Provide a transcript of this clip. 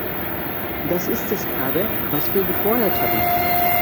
Das ist es aber, was wir gefordert hatten.